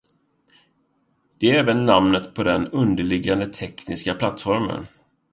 Det är även namnet på den underliggande tekniska plattformen.